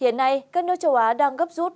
hiện nay các nước châu á đang gấp rút